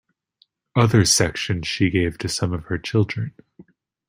Other sections she gave to some of her children.